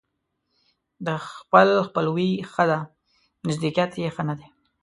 د خپل خپلوي ښه ده ، نژدېکت يې ښه نه دى.